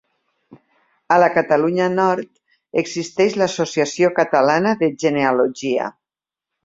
A la Catalunya Nord existeix l'Associació Catalana de Genealogia.